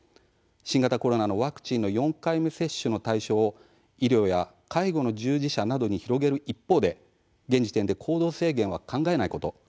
新型コロナのワクチンの４回目接種の対象を医療や介護の従事者などに広げる一方で現時点で行動制限は考えないこと。